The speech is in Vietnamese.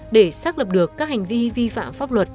để xác lập được các hành vi vi phạm pháp luật